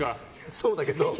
そうだけど。